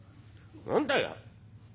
何だよ！